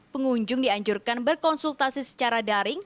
pengunjung dianjurkan berkonsultasi secara daring